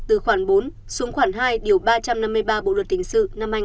từ khoảng bốn xuống khoảng hai ba trăm năm mươi ba bộ luật hình sự năm hai nghìn một mươi năm